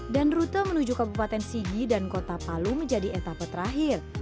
dan rute menuju kabupaten sigi dan kota palu menjadi etapa terakhir